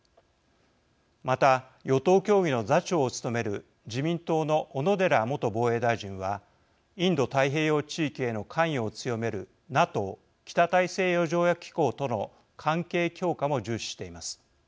また、与党協議の座長を務める自民党の小野寺元防衛大臣はインド太平洋地域への関与を強めるＮＡＴＯ＝北大西洋条約機構との関係強化も重視しています。